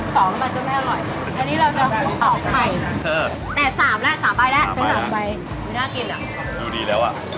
ขอบคุณครับ